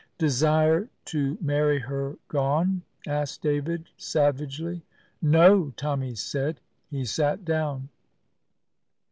"Desire to marry her gone?" asked David, savagely. "No," Tommy said. He sat down.